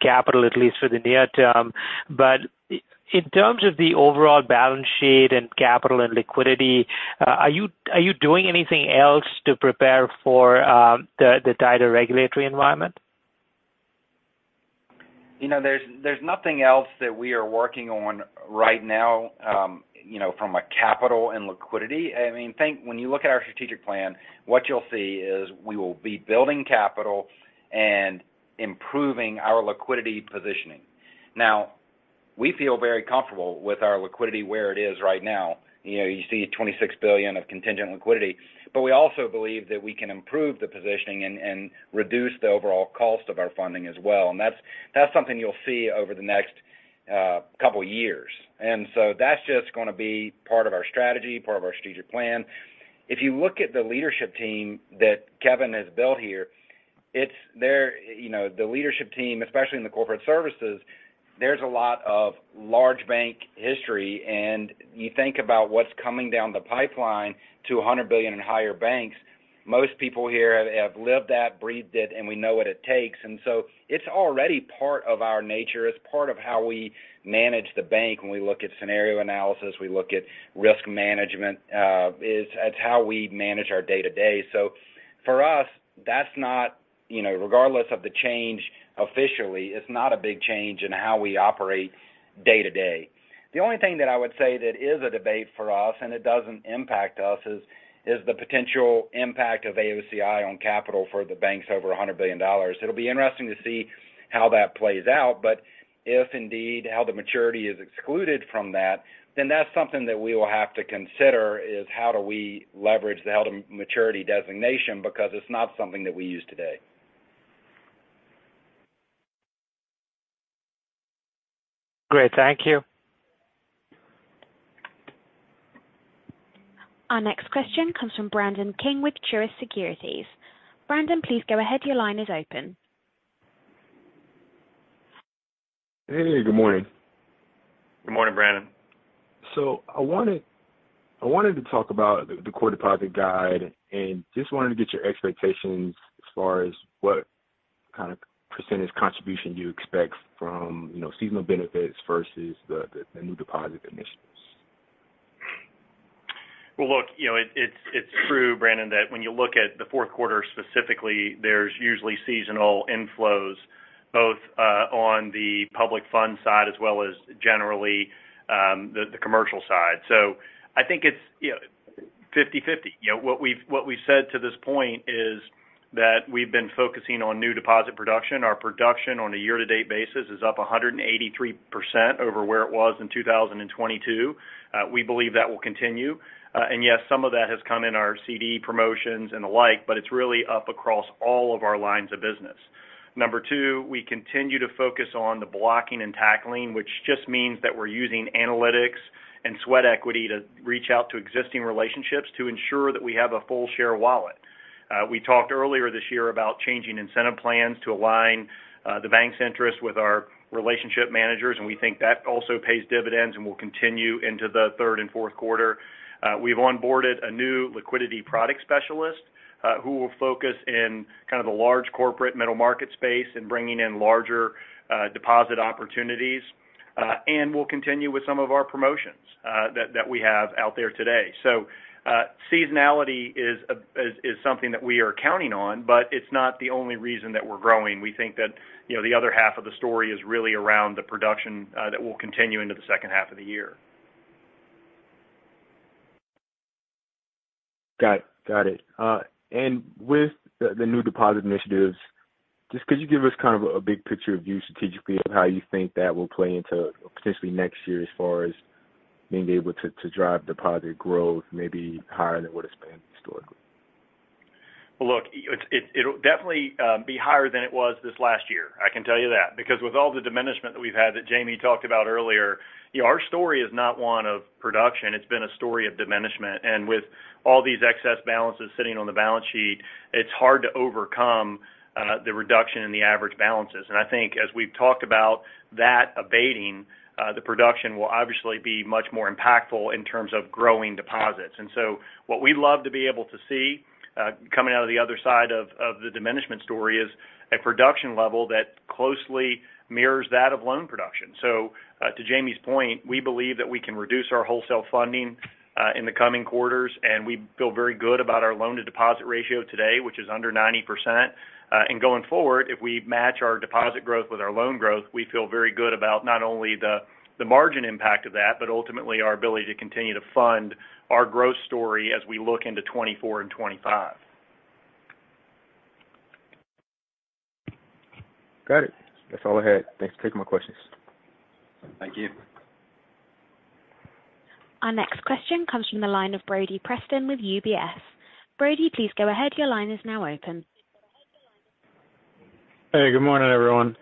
capital, at least for the near term. In terms of the overall balance sheet and capital and liquidity, are you doing anything else to prepare for the tighter regulatory environment? You know, there's nothing else that we are working on right now, you know, from a capital and liquidity. I mean, when you look at our strategic plan, what you'll see is, we will be building capital and improving our liquidity positioning. Now, we feel very comfortable with our liquidity where it is right now. You know, you see $26 billion of contingent liquidity, but we also believe that we can improve the positioning and reduce the overall cost of our funding as well. That's something you'll see over the next...... couple years. That's just gonna be part of our strategy, part of our strategic plan. If you look at the leadership team that Kevin has built here, it's there, you know, the leadership team, especially in the corporate services, there's a lot of large bank history, and you think about what's coming down the pipeline to 100 billion and higher banks. Most people here have lived that, breathed it, and we know what it takes. It's already part of our nature. It's part of how we manage the bank when we look at scenario analysis, we look at risk management, it's how we manage our day-to-day. For us, that's not, you know, regardless of the change officially, it's not a big change in how we operate day-to-day. The only thing that I would say that is a debate for us, it doesn't impact us, is the potential impact of AOCI on capital for the banks over $100 billion. It'll be interesting to see how that plays out, if indeed, how the maturity is excluded from that's something that we will have to consider, is how do we leverage the held-to-maturity designation because it's not something that we use today. Great. Thank you. Our next question comes from Brandon King with Truist Securities. Brandon, please go ahead. Your line is open. Hey, good morning. Good morning, Brandon. I wanted to talk about the core deposit guide and just wanted to get your expectations as far as what kind of percentage contribution you expect from, you know, seasonal benefits versus the new deposit initiatives? Well, look, you know, it's, it's true, Brandon, that when you look at the fourth quarter specifically, there's usually seasonal inflows, both on the public fund side as well as generally the commercial side. I think it's, you know, 50/50. You know, what we've, what we've said to this point is that we've been focusing on new deposit production. Our production on a year-to-date basis is up 183% over where it was in 2022. We believe that will continue. Yes, some of that has come in our CD promotions and the like, but it's really up across all of our lines of business. Number two, we continue to focus on the blocking and tackling, which just means that we're using analytics and sweat equity to reach out to existing relationships to ensure that we have a full share wallet. We talked earlier this year about changing incentive plans to align the bank's interest with our relationship managers. We think that also pays dividends and will continue into the third and fourth quarter. We've onboarded a new liquidity product specialist who will focus in kind of the large corporate middle market space and bringing in larger deposit opportunities. We'll continue with some of our promotions that we have out there today. Seasonality is something that we are counting on. It's not the only reason that we're growing. We think that, you know, the other half of the story is really around the production, that will continue into the second half of the year. Got it. Got it. With the new deposit initiatives, just could you give us kind of a big picture view strategically of how you think that will play into potentially next year as far as being able to drive deposit growth maybe higher than it would have been historically? Well, look, it'll definitely be higher than it was this last year, I can tell you that. With all the diminishment that we've had that Jamie talked about earlier, you know, our story is not one of production. It's been a story of diminishment. With all these excess balances sitting on the balance sheet, it's hard to overcome the reduction in the average balances. I think as we've talked about that abating, the production will obviously be much more impactful in terms of growing deposits. What we'd love to be able to see coming out of the other side of the diminishment story is a production level that closely mirrors that of loan production. To Jamie's point, we believe that we can reduce our wholesale funding, in the coming quarters, and we feel very good about our loan-to-deposit ratio today, which is under 90%. Going forward, if we match our deposit growth with our loan growth, we feel very good about not only the margin impact of that, but ultimately our ability to continue to fund our growth story as we look into 2024 and 2025. Got it. That's all I had. Thanks for taking my questions. Thank you. Our next question comes from the line of Brody Preston with UBS. Brady, please go ahead. Your line is now open. Hey, good morning, everyone.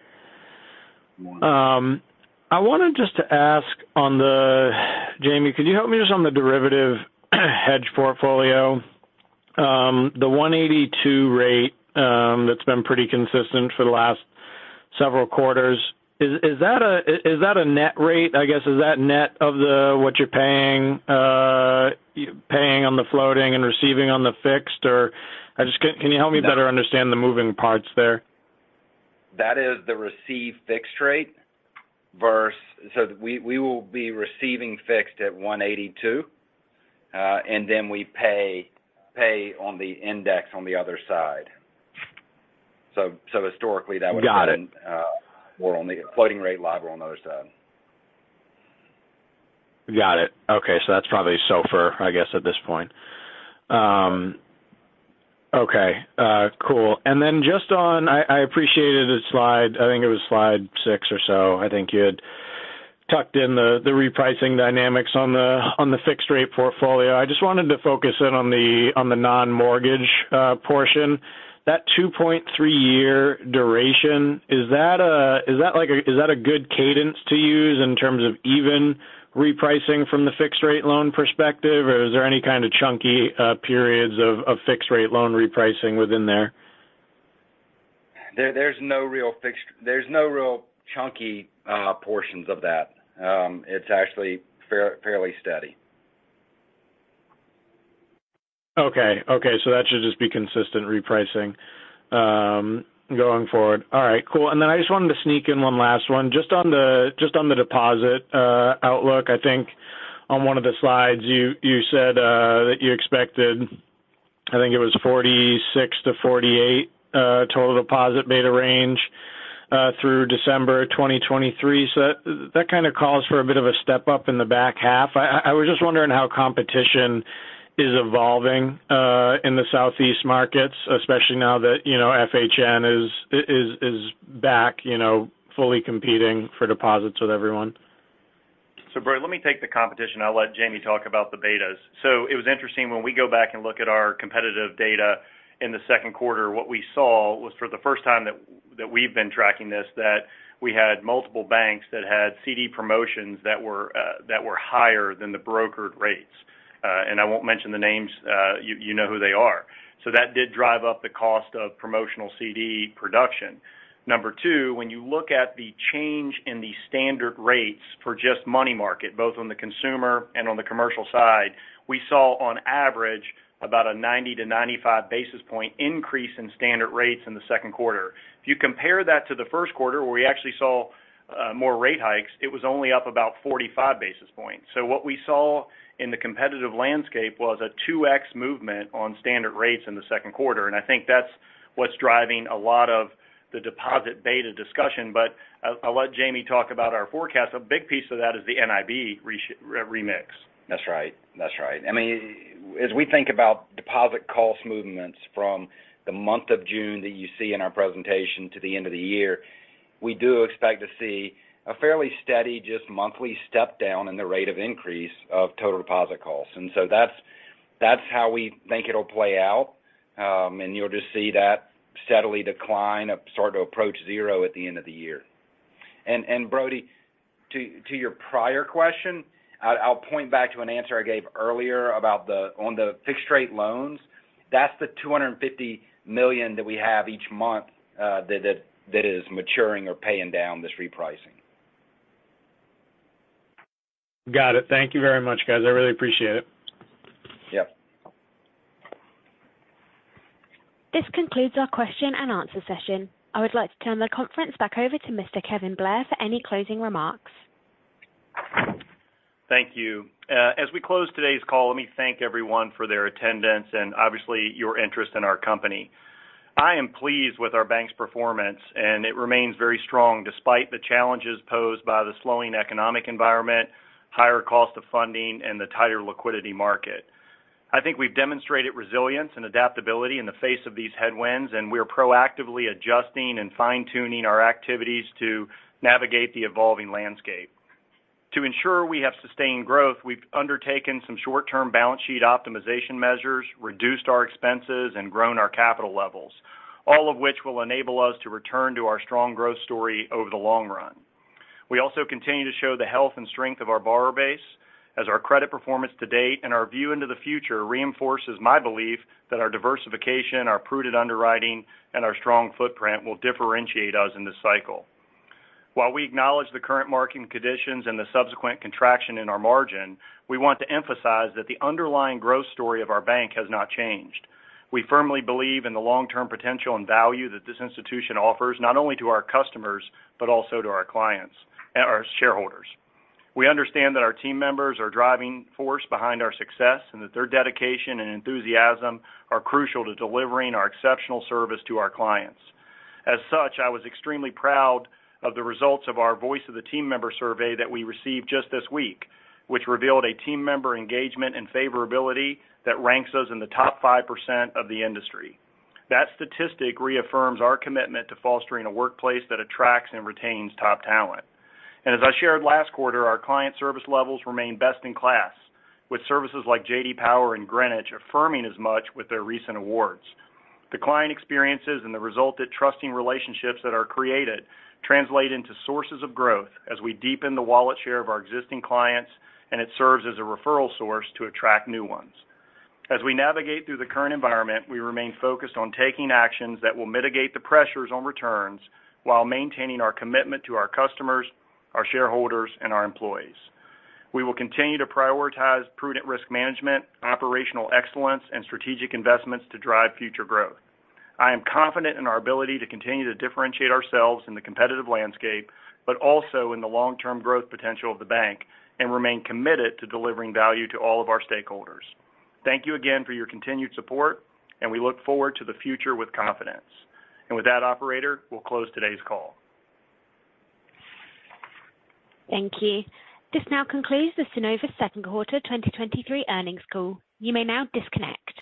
Good morning. I wanted just to ask on Jamie, could you help me just on the derivative hedge portfolio, the 182 rate, that's been pretty consistent for the last several quarters? Is that a net rate? I guess, is that net of the what you're paying on the floating and receiving on the fixed? Or can you help me better understand the moving parts there? That is the received fixed rate versus. We will be receiving fixed at 1.82, and then we pay on the index on the other side. Historically, that would Got it. We're on the floating rate LIBOR on the other side. Got it. That's probably SOFR, I guess, at this point. Cool. Just on, I appreciated the slide, I think it was slide 6 or so, I think you had tucked in the repricing dynamics on the, on the fixed rate portfolio. I just wanted to focus in on the, on the non-mortgage portion. That 2.3 year duration, is that a good cadence to use in terms of even repricing from the fixed rate loan perspective? Is there any kind of chunky periods of fixed rate loan repricing within there? There's no real chunky portions of that. It's actually fairly steady. Okay. That should just be consistent repricing going forward. All right, cool. I just wanted to sneak in one last one. Just on the deposit outlook, I think on one of the slides you said that you expected, I think it was 46%-48% total deposit beta range through December 2023. That kind of calls for a bit of a step up in the back half. I was just wondering how competition is evolving in the Southeast markets, especially now that, you know, FHN is back, you know, fully competing for deposits with everyone. Brody, let me take the competition. I'll let Jamie talk about the betas. It was interesting, when we go back and look at our competitive data in the second quarter, what we saw was, for the first time that we've been tracking this, that we had multiple banks that had CD promotions that were higher than the brokered rates. I won't mention the names, you know who they are. That did drive up the cost of promotional CD production. Number two, when you look at the change in the standard rates for just money market, both on the consumer and on the commercial side, we saw on average, about a 90-95 basis point increase in standard rates in the second quarter. If you compare that to the first quarter, where we actually saw, more rate hikes, it was only up about 45 basis points. What we saw in the competitive landscape was a 2x movement on standard rates in the second quarter. I think that's what's driving a lot of the deposit beta discussion. I'll let Jamie talk about our forecast. A big piece of that is the NIB remix. That's right. That's right. I mean, as we think about deposit cost movements from the month of June that you see in our presentation to the end of the year, we do expect to see a fairly steady, just monthly step down in the rate of increase of total deposit costs. That's, that's how we think it'll play out. You'll just see that steadily decline up, start to approach zero at the end of the year. Brody, to your prior question, I'll point back to an answer I gave earlier about on the fixed rate loans. That's the $250 million that we have each month that is maturing or paying down this repricing. Got it. Thank you very much, guys. I really appreciate it. Yep. This concludes our question and answer session. I would like to turn the conference back over to Mr. Kevin Blair for any closing remarks. Thank you. As we close today's call, let me thank everyone for their attendance and obviously, your interest in our company. I am pleased with our bank's performance, and it remains very strong despite the challenges posed by the slowing economic environment, higher cost of funding, and the tighter liquidity market. I think we've demonstrated resilience and adaptability in the face of these headwinds, and we are proactively adjusting and fine-tuning our activities to navigate the evolving landscape. To ensure we have sustained growth, we've undertaken some short-term balance sheet optimization measures, reduced our expenses, and grown our capital levels, all of which will enable us to return to our strong growth story over the long run. We also continue to show the health and strength of our borrower base as our credit performance to date, and our view into the future reinforces my belief that our diversification, our prudent underwriting, and our strong footprint will differentiate us in this cycle. While we acknowledge the current market conditions and the subsequent contraction in our margin, we want to emphasize that the underlying growth story of our bank has not changed. We firmly believe in the long-term potential and value that this institution offers, not only to our customers, but also to our clients and our shareholders. We understand that our team members are driving force behind our success, and that their dedication and enthusiasm are crucial to delivering our exceptional service to our clients. As such, I was extremely proud of the results of our Voice of the Team Member survey that we received just this week, which revealed a team member engagement and favorability that ranks us in the top 5% of the industry. That statistic reaffirms our commitment to fostering a workplace that attracts and retains top talent. As I shared last quarter, our client service levels remain best-in-class, with services like J.D. Power and Greenwich affirming as much with their recent awards. The client experiences and the resultant trusting relationships that are created translate into sources of growth as we deepen the wallet share of our existing clients. It serves as a referral source to attract new ones. As we navigate through the current environment, we remain focused on taking actions that will mitigate the pressures on returns while maintaining our commitment to our customers, our shareholders, and our employees. We will continue to prioritize prudent risk management, operational excellence, and strategic investments to drive future growth. I am confident in our ability to continue to differentiate ourselves in the competitive landscape, but also in the long-term growth potential of the bank and remain committed to delivering value to all of our stakeholders. Thank you again for your continued support, and we look forward to the future with confidence. With that, operator, we'll close today's call. Thank you. This now concludes the Synovus second quarter 2023 earnings call. You may now disconnect.